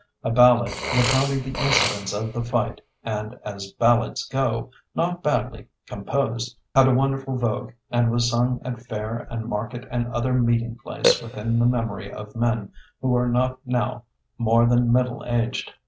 A ballad recounting the incidents of the fight and, as ballads go, not badly composed, had a wonderful vogue, and was sung at fair and market and other meeting place within the memory of men who are not now more than middle aged.